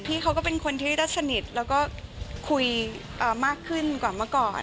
พี่เขาก็เป็นคนที่ได้สนิทแล้วก็คุยมากขึ้นกว่าเมื่อก่อน